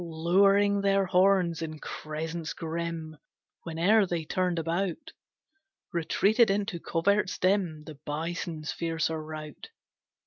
Lowering their horns in crescents grim Whene'er they turned about, Retreated into coverts dim The bisons' fiercer rout.